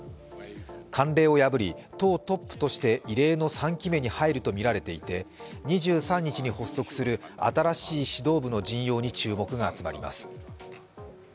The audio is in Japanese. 慣例を破り、党トップとして異例の３期目に入るとみられていて２３日に発足する新しい指導部の陣容に注目が集まります。